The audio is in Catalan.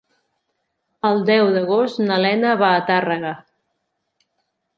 El deu d'agost na Lena va a Tàrrega.